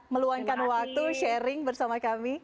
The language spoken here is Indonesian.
meluangkan waktu sharing bersama kami